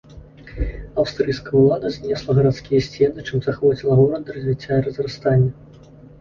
Аўстрыйская ўлада знесла гарадскія сцены, чым заахвоціла горад да развіцця і разрастання.